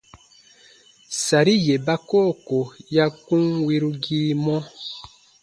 Sari yè ba koo ko ya kun wirugii mɔ.